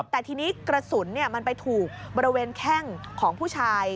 แต่ทีนี้กระสุนมันไปถูกบริเวณแข้งของผู้ชาย